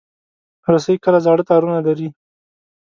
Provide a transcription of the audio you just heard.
رسۍ کله زاړه تارونه لري.